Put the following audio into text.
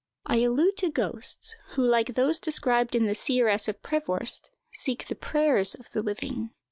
I allude to ghosts, who, like those described in the "Seeress of Prevorst," seek the prayers of the living.